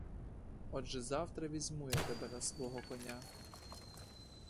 Отже завтра візьму я тебе на свого коня!